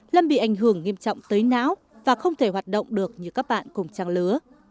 lâm bị ảnh hưởng nghiêm trọng tới não và không thể hoạt động được như các bạn cùng trang lứa